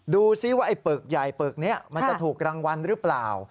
ดูซิว่าไอ้ปึกใหญ่ปึกนี้มันจะถูกรางวัลหรือเปล่า